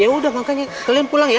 ya udah makanya kalian pulang ya